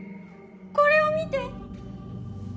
これを見て。